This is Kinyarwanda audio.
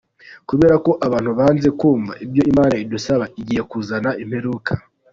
Kubera ko abantu banze kumva ibyo imana idusaba, igiye kuzana Imperuka.